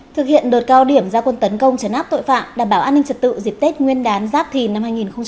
thực hiện đợt cao điểm gia quân tấn công chấn áp tội phạm đảm bảo an ninh trật tự dịp tết nguyên đán giáp thìn năm hai nghìn hai mươi bốn